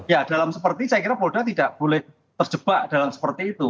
ya dalam seperti saya kira polda tidak boleh terjebak dalam seperti itu